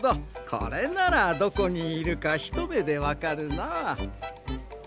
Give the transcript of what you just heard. これならどこにいるかひとめでわかるなあ。